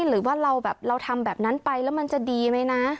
หรือว่าเราแบบเราทำแบบนั้นไปแล้วมันจะดีไหมนะ